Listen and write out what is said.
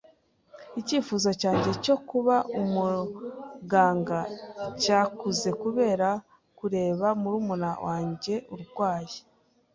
Icyifuzo cyanjye cyo kuba umuganga cyakuze kubera kureba murumuna wanjye urwaye.